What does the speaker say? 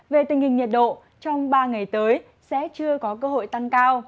về tình hình nhiệt độ trong ba ngày tới sẽ chưa có cơ hội tăng cao